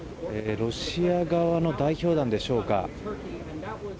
ロシア側の代表団でしょうか。